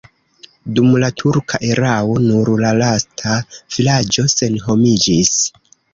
Dum la turka erao nur la lasta vilaĝo senhomiĝis.